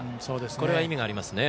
これは意味がありますね。